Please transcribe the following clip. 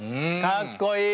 かっこいい！